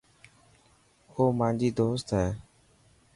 او مانجي دوست هي.